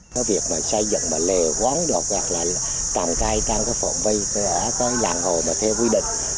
có việc xây dựng và lề quán đọc hoặc là cầm khai trang phổng vây tới làng hồ theo quy định